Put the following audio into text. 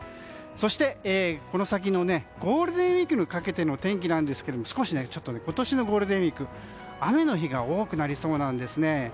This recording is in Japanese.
そして、この先のゴールデンウィークにかけての天気なんですが、少し今年のゴールデンウィーク雨の日が多くなりそうなんですね。